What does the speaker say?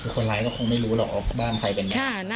คนร้ายก็คงไม่รู้หรอกว่าบ้านใครเป็น